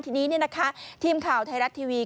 ทีนี้ทีมข่าวไทยรัฐทีวี